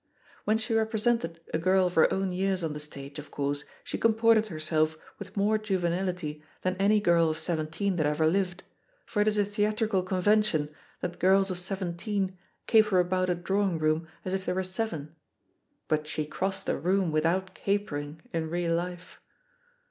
When she represented a girl of her own years on the stage, of course, she comported her THE POSITION OF PEGGY HARPER 81 self with more juvenility than any gu 1 of seven teen that ever lived, for it is a theatrical conven tion that girls of seventeen caper about a draw ing room as if they were seven, but she crossed a room without capering in real life.